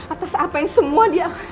atas apa yang semua dia